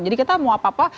jadi kita mau apa apa